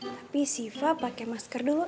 tapi siva pakai masker dulu